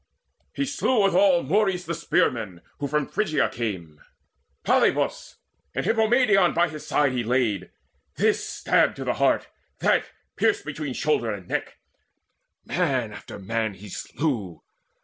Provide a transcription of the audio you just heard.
He slew withal Morys the spearman, who from Phrygia came; Polybus and Hippomedon by his side He laid, this stabbed to the heart, that pierced between Shoulder and neck: man after man he slew.